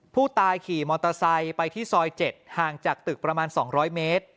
ผู้ตายขี่มอเตอร์ไซค์ไปที่ซอย๗ห่างจากตึกประมาณ๒๐๐เมตร